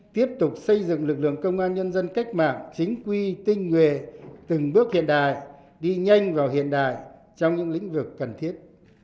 tiếp tục xây dựng lực lượng công an nhân dân cách mạng chính quy tinh nguyện từng bước hiện đại đi nhanh và hiện đại trong những lĩnh vực cần thiết